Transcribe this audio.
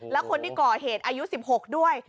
แล้วคนที่ก่อเหตุอายุ๑๖ด้วย